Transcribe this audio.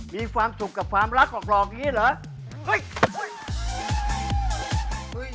มีความสุขกับความรักหลอกอย่างนี้เหรอ